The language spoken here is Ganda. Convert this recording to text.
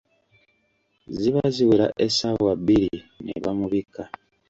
Ziba ziwera essaawa bbiri ne bamubika.